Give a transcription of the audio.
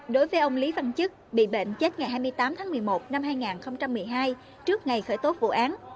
đối với ông lý văn chức bị bệnh chết ngày hai mươi tám tháng một mươi một năm hai nghìn một mươi hai trước ngày khởi tố vụ án